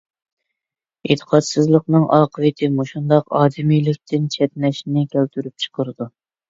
ئېتىقادسىزلىقنىڭ ئاقىۋىتى مۇشۇنداق ئادىمىيلىكتىن چەتنەشنى كەلتۈرۈپ چىقىرىدۇ!